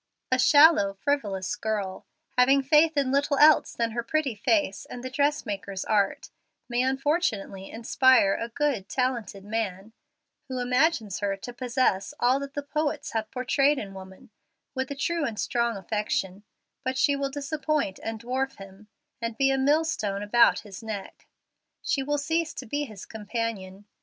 A shallow, frivolous girl, having faith in little else than her pretty face and the dressmaker's art, may unfortunately inspire a good, talented man, who imagines her to possess all that the poets have portrayed in woman, with a true and strong affection, but she will disappoint and dwarf him, and be a millstone about his neck. She will cease to be his companion.